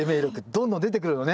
どんどん出てくるのね。